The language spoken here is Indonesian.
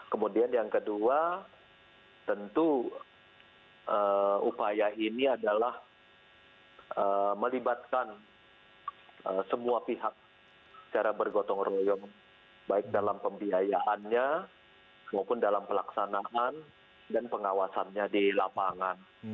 kemudian yang kedua tentu upaya ini adalah melibatkan semua pihak secara bergotong royong baik dalam pembiayaannya maupun dalam pelaksanaan dan pengawasannya di lapangan